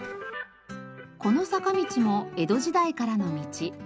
この坂道も江戸時代からの道。